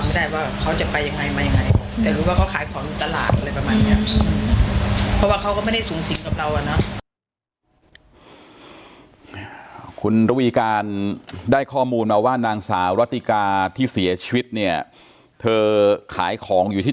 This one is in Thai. เพราะว่ายู่นี้เขาก็หายเงียบไป